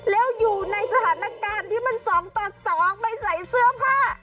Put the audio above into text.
แล้วอยู่ในสถานการณ์ที่มัน๒ต่อ๒ไปใส่เสื้อผ้า